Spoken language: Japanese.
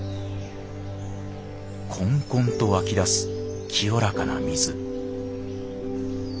こんこんと湧き出す清らかな水。